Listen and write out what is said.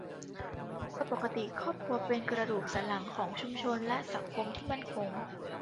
โดยปกติครอบครัวเป็นกระดูกสันหลังของชุมชนและสังคมที่มั่นคง